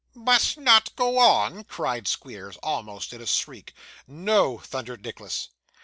'Must not go on!' cried Squeers, almost in a shriek. 'No!' thundered Nicholas.